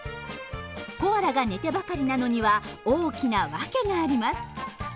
コアラが寝てばかりなのには大きな訳があります。